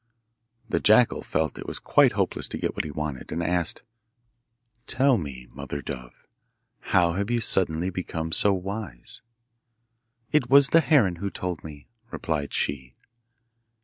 The jackal felt it was quite hopeless to get what he wanted, and asked, 'Tell me, mother dove, how have you suddenly become so wise?' 'It was the heron who told me,' replied she.